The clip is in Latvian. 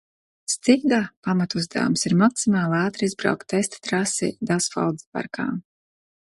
Stiga pamatuzdevums ir maksimāli ātri izbraukt testa trasi Dasfoldas parkā.